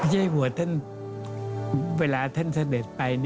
เย้หัวเวลาท่านเสด็จไป